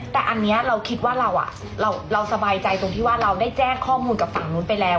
แต่อันนี้เราคิดว่าเราสบายใจตรงที่ว่าเราได้แจ้งข้อมูลกับฝั่งนู้นไปแล้ว